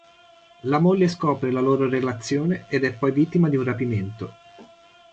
La moglie scopre la loro relazione ed è poi vittima di un rapimento.